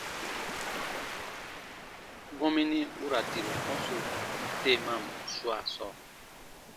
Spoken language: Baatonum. Gɔmini u ra diru kɔ̃su deemaan swaa sɔɔ,